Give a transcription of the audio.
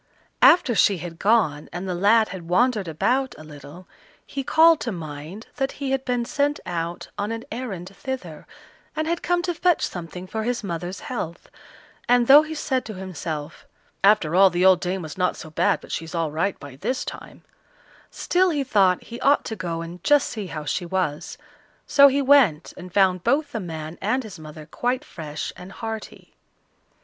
After she had gone, and the lad had wandered about a little, he called to mind that he had been sent out on an errand thither, and had come to fetch something for his mother's health; and though he said to himself, "After all the old dame was not so bad but she's all right by this time" still he thought he ought to go and just see how she was. So he went and found both the man and his mother quite fresh and hearty.